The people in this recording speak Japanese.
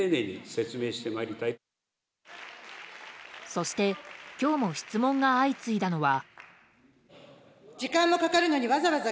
そして今日も質問が相次いだのは。